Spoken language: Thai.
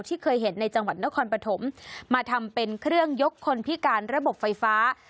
ที่เคยเห็นในจังหวัดนครปฐมมาทำเป็นเครื่องยกคนพิการระบบไฟฟ้า